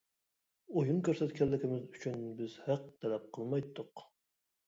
ئويۇن كۆرسەتكەنلىكىمىز ئۈچۈن بىز ھەق تەلەپ قىلمايتتۇق.